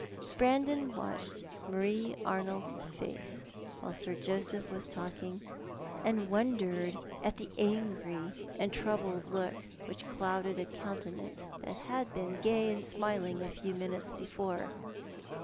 Brandon watched Marie Arnold's face •while Sir Joseph was talking, and wondered at the angry and troubled look which clouded a countenance that had been gay and smiling a few minutes before.